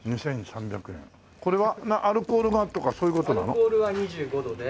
アルコールは２５度で。